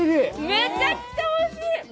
めちゃくちゃおいしい。